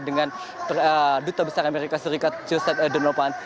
dengan duta besar amerika serikat joseph donovan